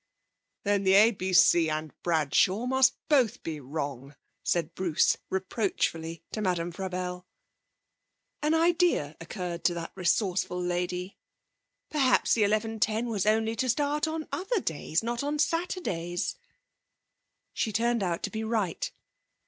'Then the ABC and Bradshaw must both be wrong,' said Bruce reproachfully to Madame Frabelle. An idea occurred to that resourceful lady. 'Perhaps the 11.10 was only to start on other days, not on Saturdays.' She turned out to be right.